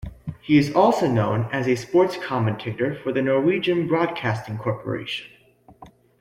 He is also known as a sports commentator for the Norwegian Broadcasting Corporation.